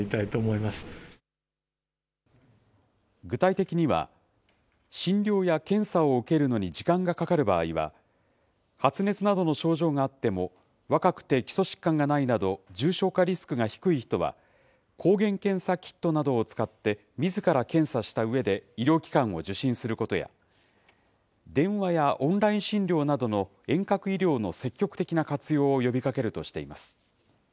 具体的には、診療や検査を受けるのに時間がかかる場合は、発熱などの症状があっても若くて基礎疾患がないなど重症化リスクが低い人は抗原検査キットなどを使ってみずから検査したうえで、医療機関を受診することや、電話やオンライン診療などの遠隔医療の積極的な活用を呼びかけるとしています。